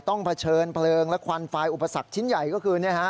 เผชิญเพลิงและควันไฟอุปสรรคชิ้นใหญ่ก็คือ